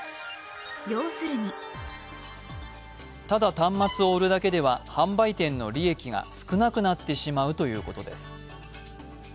ただ端末を売るだけでは販売店の利益が少なくなってしまうということです。